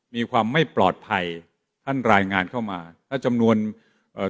มีความไม่ปลอดภัยท่านรายงานเข้ามาถ้าจำนวนเอ่อ